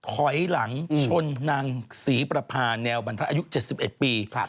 ถอยหลังชนนางศรีประพาแนวบรรทะอายุ๗๑ปี